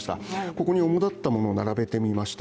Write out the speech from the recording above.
ここに主だったものを並べてみました。